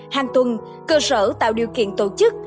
hàng tuần cơ sở tạo điều kiện tổ chức